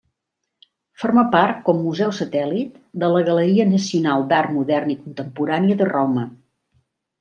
Forma part, com museu satèl·lit, de la Galeria Nacional d'Art Modern i Contemporani de Roma.